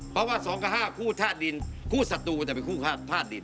เพราะว่าสองกับห้าคู่ท่าดินคู่ศัตรูก็จะเป็นคู่ท่าดิน